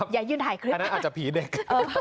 อย่ายืนถ่ายคลิปอันนั้นอาจจะผีเด็ก